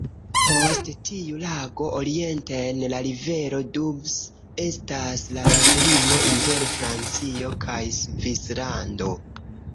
Post tiu lago orienten la rivero Doubs estas la landlimo inter Francio kaj Svislando.